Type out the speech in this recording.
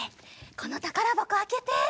このたからばこあけて！